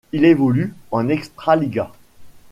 Il évolue en Extraliga.